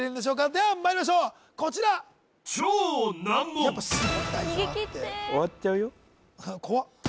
ではまいりましょうこちら終わっちゃうよ怖っ